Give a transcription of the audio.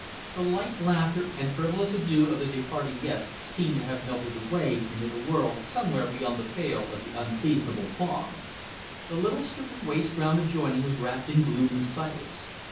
The light laughter and frivolous adieux of the departing guests seemed to have melted away into a world somewhere beyond the pale of the unseasonable fog. The little strip of waste ground adjoining was wrapped in gloom and silence.